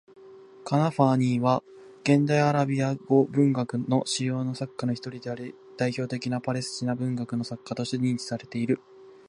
カナファーニーは、現代アラビア語文学の主要な作家の一人であり、代表的なパレスチナ文学の作家としても認知されている。